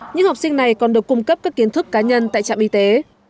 những học sinh này còn được cung cấp các kiến thức cá nhân tại trạm y tế